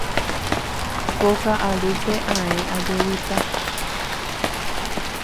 Ko ka'arúpe ae ajevýta.